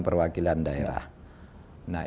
perwakilan daerah nah